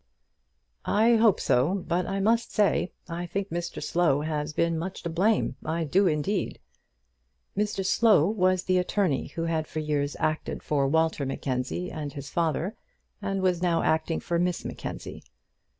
"I hope so; but I must say, I think Mr Slow has been much to blame. I do, indeed." Mr Slow was the attorney who had for years acted for Walter Mackenzie and his father, and was now acting for Miss Mackenzie.